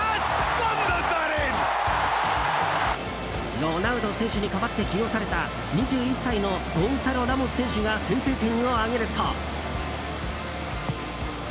ロナウド選手に代わって起用された２１歳のゴンサロ・ラモス選手が先制点を挙げると。